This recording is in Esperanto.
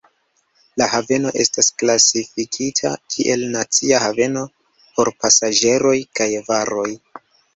La haveno estas klasifikita kiel nacia haveno por pasaĝeroj kaj varoj.